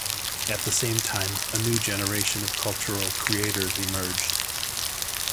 At the same time, a new generation of cultural creators emerged.